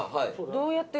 どうやって？